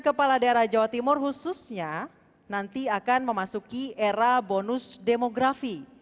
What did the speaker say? kepala daerah jawa timur khususnya nanti akan memasuki era bonus demografi